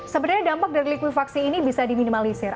sebenarnya dampak dari likuifaksi ini bisa diminimalisir